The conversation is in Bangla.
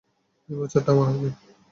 এই বছরটা আমার হবে।